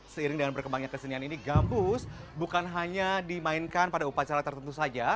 seiring dengan berkembangnya kesenian ini gambus bukan hanya dimainkan pada upacara tertentu saja